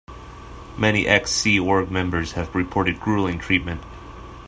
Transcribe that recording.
Many ex-Sea Org members have reported gruelling treatment.